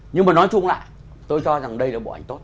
nhưng mà nói chung lại tôi cho rằng đây là bộ ảnh tốt